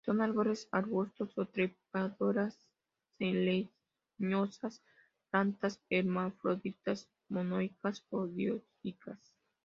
Son árboles, arbustos o trepadoras leñosas; plantas hermafroditas, monoicas o dioicas.